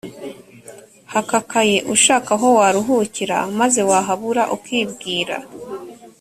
hakakaye ushaka aho waruhukira maze wahabura ukibwira